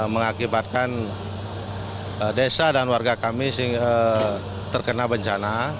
mengakibatkan desa dan warga kami terkena bencana